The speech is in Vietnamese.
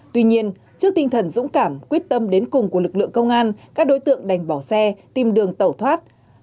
tuy nhiên trước tinh thần dũng cảm quyết tâm đến cùng của lực lượng công an các đối tượng đành bỏ xe tìm đường tẩu thoát